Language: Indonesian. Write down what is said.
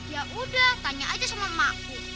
ya udah tanya aja sama emakku